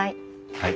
はい。